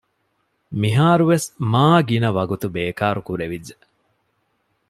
މިހާރުވެސް މާގިނަ ވަގުތު ބޭކާރު ކުރެވިއްޖެ